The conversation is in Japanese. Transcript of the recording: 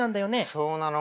そうなの。